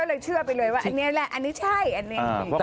แล้วก็เลยเชื่อไปเลยว่าอันเนี้ยแหละอันเนี้ยใช่อันเนี้ยจริงจริง